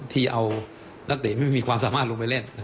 ที่เอานักเดชน์ไม่มีสารลงไปเล่น